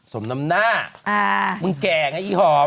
สมน้ำหน้ามึงแก่งไอ้อีหอม